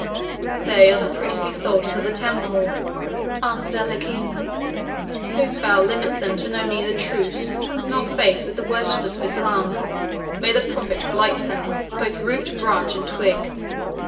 "They are the priestly soldiers of the Temple," answered El Hakim, "whose vow limits them to know neither truce nor faith with the worshippers of Islam. May the Prophet blight them, both root, branch, and twig!